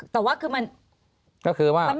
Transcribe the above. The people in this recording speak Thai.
แต่ว่าคือมันก็คือว่า